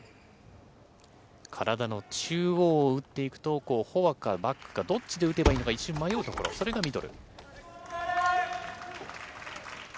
体の中央を打っていくと、フォアか、バックかどっちで打つか一瞬迷うところ、それがミドル。